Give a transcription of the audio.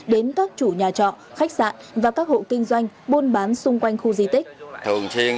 đến các chủ nhà trọ khách sạn và các hộ kinh doanh buôn bán xung quanh khu di tích